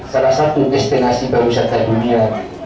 salah satu destinasi pariwisata dunia